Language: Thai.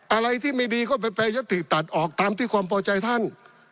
อะไรที่ไม่ดีก็ไปแปรยติตัดออกตามที่ความพอใจท่าน